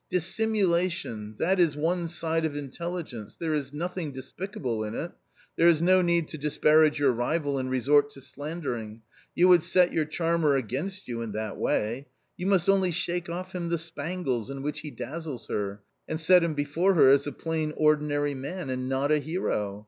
Dissimulation — that is one side of intelligence, there is nothing despicable in it. There is no need to disparage your rival and resort to slandering; you would set your charmer against you in that way. ... you must only shake off him the spangles in which he dazzles her, and set him before her as a plain ordinary man, and not a hero